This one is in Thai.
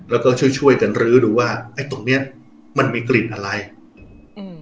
แล้วก็ช่วยช่วยกันรื้อดูว่าไอ้ตรงเนี้ยมันมีกลิ่นอะไรอืม